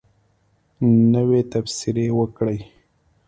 نوی تبصرې وکړئ